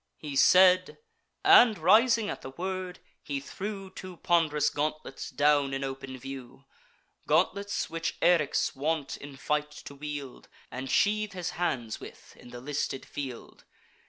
He said; and, rising at the word, he threw Two pond'rous gauntlets down in open view; Gauntlets which Eryx wont in fight to wield, And sheathe his hands with in the listed field.